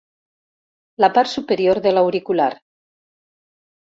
La part superior de l'auricular.